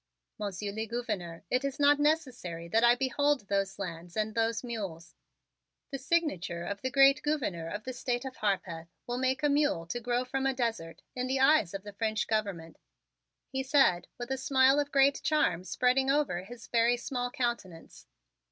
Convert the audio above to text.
"Monsieur le Gouverneur, it is not necessary that I behold those lands and those mules; the signature of the great Gouverneur of the State of Harpeth will make a mule to grow from a desert, in the eyes of the French Government," he said with a smile of great charm spreading over his very small countenance.